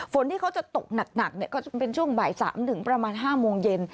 ฝนที่เขาจะตกหนักจะเป็นช่วงบ่าย๓๕โมงเย็น